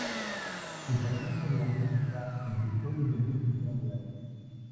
Su pasión por la música empezó desde muy temprana edad.